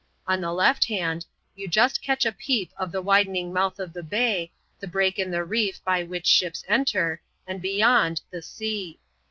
On the left hand, you just catch a peep of the widen ing mouth of the bay, the break in the reef by which ships enter, and beyond, the sea.